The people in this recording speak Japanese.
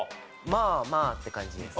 まあまあって感じです。